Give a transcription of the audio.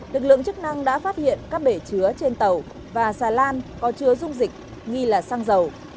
lực lượng chức năng đã phát hiện các bể chứa trên tàu và xà lan có chứa dung dịch nghi là xăng dầu